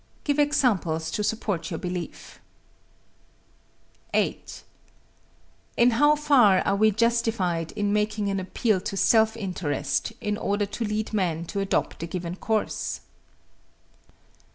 Give examples to support your belief. 8. In how far are we justified in making an appeal to self interest in order to lead men to adopt a given course?